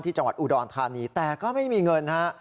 จังหวัดอุดรธานีแต่ก็ไม่มีเงินฮะ